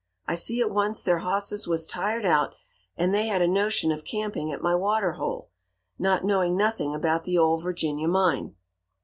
I see at once their hosses was tired out, and they had a notion of camping at my water hole, not knowing nothing about the Ole Virginia mine.